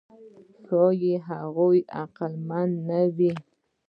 ښایي هغوی عقلمن نه وي.